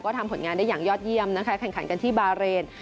ทำผลงานได้อย่างยอดเยี่ยมนะคะแข่งขันกันที่บาเรน